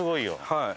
はい。